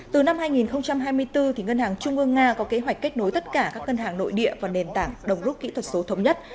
từ năm hai nghìn hai mươi bốn ngân hàng trung ương nga có kế hoạch kết nối tất cả các ngân hàng nội địa và nền tảng đồng rút kỹ thuật số thống nhất